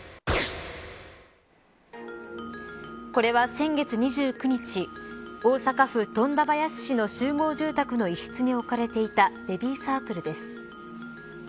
これは先月２９日大阪府富田林市の集合住宅の一室に置かれていたベビーサークルです。